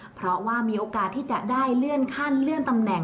เพราะว่ามีโอกาสที่จะได้เลื่อนขั้นเลื่อนตำแหน่ง